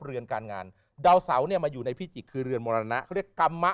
เรือนการงานดาวเสาเนี่ยมาอยู่ในพิจิกคือเรือนมรณะเขาเรียกกรรมะ